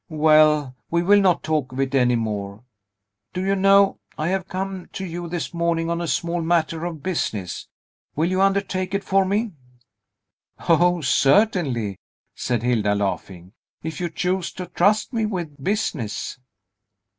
Well; we will not talk of it any more. Do you know, I have come to you this morning on a small matter of business. Will you undertake it for me?" "O, certainly," said Hilda, laughing; "if you choose to trust me with business."